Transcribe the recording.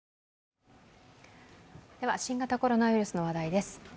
新型コロナウイルスの話題です。